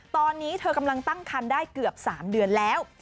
ตอนนี้เธอกำลังตั้งคันได้เกือบ๓เดือนแล้ว